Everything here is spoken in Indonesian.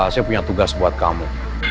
saya punya tugas buat kamu